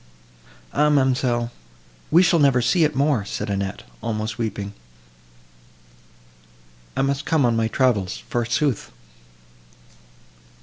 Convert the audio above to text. "Ah, ma'amselle! we shall never see it more!" said Annette, almost weeping.—"I must come on my travels, forsooth!"